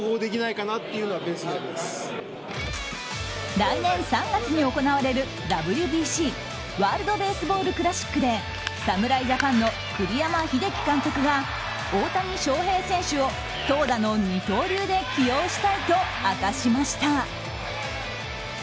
来年３月に行われるＷＢＣ・ワールド・ベースボール・クラシックで侍ジャパンの栗山英樹監督が大谷翔平選手を投打の二刀流で起用したいと明かしました。